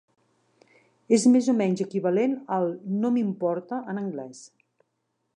És més o menys equivalent al "no m'importa" en anglès.